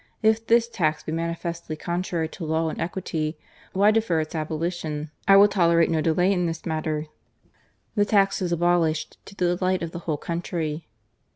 If this tax be manifestly contrary to law and equity, why defer its abolition ? I will tole rate no delay in this matter," The tax was abolished, to the delight of the whole country.